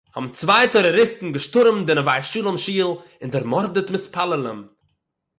האָבן צוויי טעראָריסטן געשטורעמט די נוה שלום שול און דערמאָרדעט מתפּללים